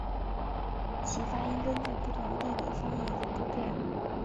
其发音根据不同地理方言而不同。